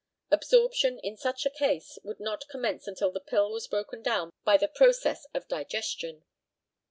Absorption in such a case would not commence until the pill was broken down by the process of digestion.